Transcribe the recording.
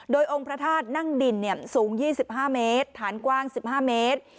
โดยองค์พระธาตุนั่งดินสูง๒๕เมตรฐานกว้าง๑๕เมตร